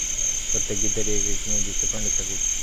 প্রত্যেক বিদ্যারই এক-একটি নিদিষ্ট প্রণালী থাকা উচিত।